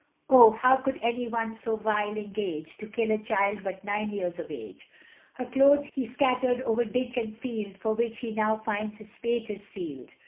Oh! how could any one so vile engage, To kill a child but nine years of age; Her clothes he scattered over ditch and field, For which he finds now his fate is sealed.